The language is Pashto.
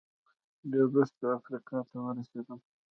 ډېر وروسته افریقا ته ورسېدل